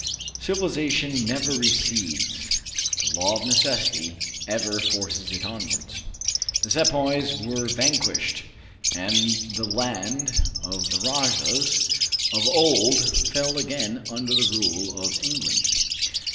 Civilization never recedes; the law of necessity ever forces it onwards. The sepoys were vanquished, and the land of the rajahs of old fell again under the rule of England.